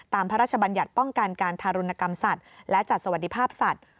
พระราชบัญญัติป้องกันการทารุณกรรมสัตว์และจัดสวัสดิภาพสัตว์